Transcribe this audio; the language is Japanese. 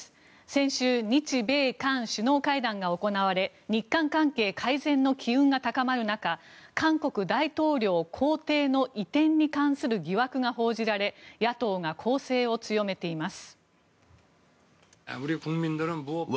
先週、日米韓首脳会談が行われ日韓関係改善の機運が高まる中韓国大統領公邸の移転に関する疑惑が報じられ野党が攻勢を強めています。